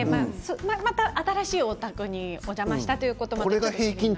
また新しいお宅にお邪魔したということもあって。